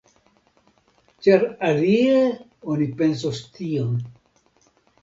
Ĉar alie oni pensos tion.